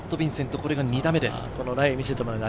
これが２打目です。